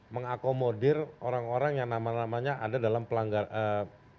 mengakomodir orang orang yang nama namanya ada dalam pelanggaran